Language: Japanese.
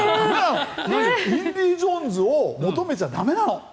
「インディ・ジョーンズ」を求めちゃ駄目なの。